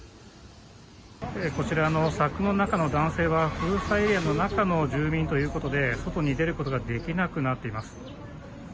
こちらの柵の中の男性は、封鎖エリアの中の住民ということで、外に出ることができなくなっています。